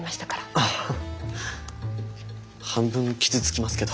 ああ半分傷つきますけど。